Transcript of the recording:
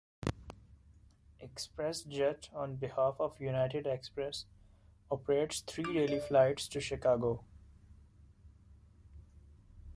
ExpressJet on behalf of United Express operates three daily flights to Chicago.